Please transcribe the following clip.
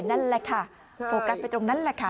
นั่นแหละค่ะโฟกัสไปตรงนั้นแหละค่ะ